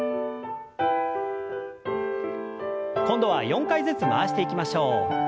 今度は４回ずつ回していきましょう。